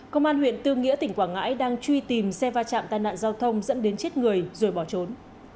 công an huyện tư nghĩa tỉnh quảng ngãi đang truy tìm xe va chạm tai nạn giao thông dẫn đến chết người rồi bỏ trốn